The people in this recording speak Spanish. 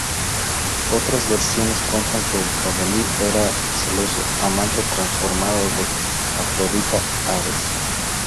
Otras versiones cuentan que el jabalí era el celoso amante transformado de Afrodita, Ares.